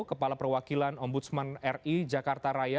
kepala perwakilan ombudsman ri jakarta raya